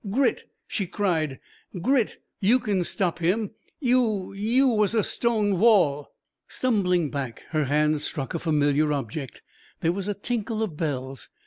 "Grit," she cried, "Grit, you can stop him. You ... you was a stone wall...." Stumbling back, her hand struck a familiar object. There was a tinkle of bells.